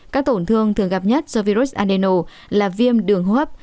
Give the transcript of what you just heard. các tổn thương thường gặp nhất do virus andeno là viêm đường hô hấp